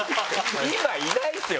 今いないですよ